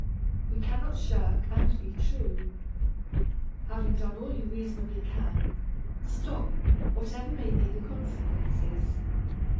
We cannot shirk and be true. Having done all you reasonably can, stop, whatever may be the consequences.